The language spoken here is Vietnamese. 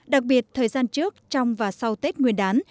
đặc biệt thời gian trước trong và sau tết nguyên đán